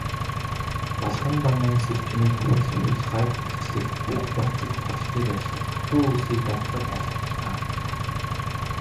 Балгандонойн сэржмийг худал хулгайг илчлэх, бүх барцад хорлолыг арилгах, хатуу үйлсийг даатгахад айлтгуулна.